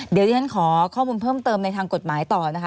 เดี๋ยวที่ฉันขอข้อมูลเพิ่มเติมในทางกฎหมายต่อนะคะ